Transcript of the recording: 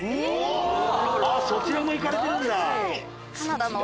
そちらも行かれてるんだ。